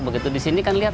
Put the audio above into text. begitu di sini kan lihat